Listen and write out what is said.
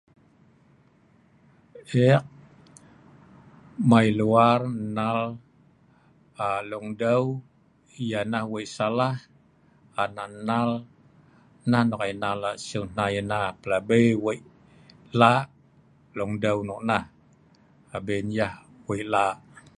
Ek mai lual nal aa leongdeu ianah wei' salah an ek nal, nah nok inal ek siu hnai ina. Pelabi wei' lah' leongdeu nok nah abin yah wei' lah'.